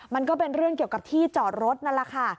มันก็เป็นเรื่องเกี่ยวกับที่จอดรถนั่นแหละค่ะ